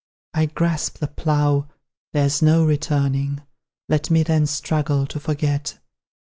I grasp the plough, there's no returning, Let me, then, struggle to forget.